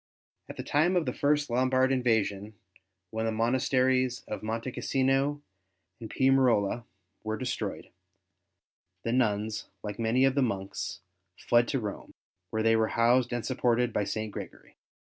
At the time of the first Lombard invasion, when the monasteries of Monte Cassino and Piumarola were destroyed, the nuns, like many of the monks, fled to Rome, where they were housed and supported by St. Gregory.